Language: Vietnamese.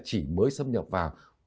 chỉ mới xâm nhập vào